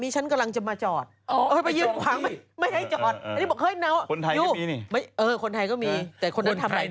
ฉันจะจองให้สามีฉัน